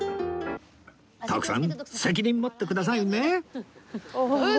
徳さん責任持ってくださいね